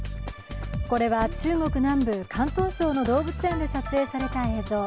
これは中国南部、広東省の動物園で撮影された映像。